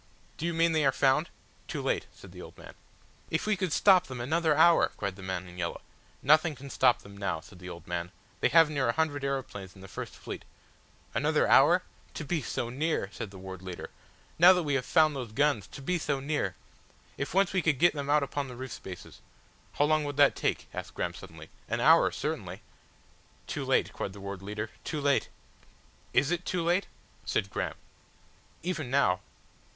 "Do you mean they are found?" "Too late," said the old man. "If we could stop them another hour!" cried the man in yellow. "Nothing can stop them now," said the old man. "They have near a hundred aeroplanes in the first fleet." "Another hour?" asked Graham. "To be so near!" said the Ward Leader. "Now that we have found those guns. To be so near . If once we could get them out upon the roof spaces." "How long would that take?" asked Graham suddenly. "An hour certainly." "Too late," cried the Ward Leader, "too late." "Is it too late?" said Graham. "Even now